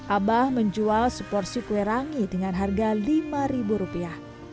abah menjual satu porsi kwerangi dengan harga lima ribu rupiah